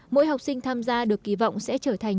mỗi học sinh tham gia được kỳ vọng sẽ trở thành